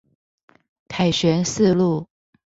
凱旋四路